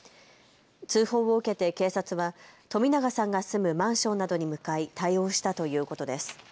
通報を受けて警察は冨永さんが住むマンションなどに向かい対応したということです。